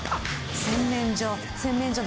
・洗面所。